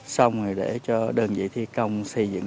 xong rồi để cho đơn vị thi công xây dựng